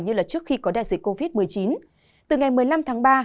như trước khi có đại dịch covid một mươi chín từ ngày một mươi năm tháng ba